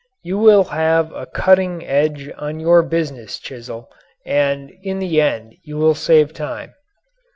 You will have a cutting, edge on your business chisel and in the end you will save time.